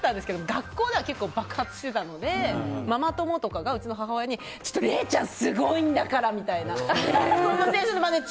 学校では爆発してたのでママ友とかが、うちの母親に礼ちゃんすごいんだからみたいな。